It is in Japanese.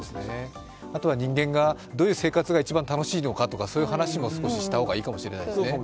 あとは人間が、どういう生活が一番楽しいのかとかそういう話も少しした方がいいかもしれないですね。